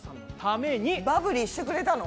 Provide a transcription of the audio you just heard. バブリーしてくれたの？